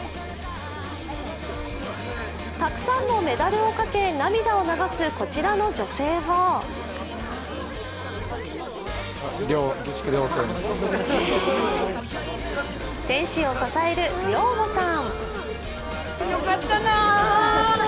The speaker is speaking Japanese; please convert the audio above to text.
たくさんのメダルをかけ涙を流すこちらの女性は選手を支える寮母さん。